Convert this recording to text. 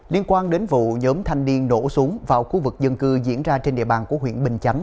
liên quan đến vụ nhóm thanh niên đổ xuống vào khu vực dân cư diễn ra trên địa bàn của huyện bình chánh